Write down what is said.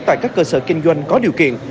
tại các cơ sở kinh doanh có điều kiện